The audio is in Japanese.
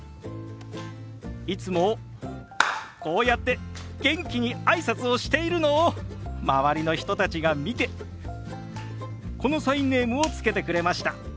いつもこうやって元気に挨拶をしているのを周りの人たちが見てこのサインネームを付けてくれました。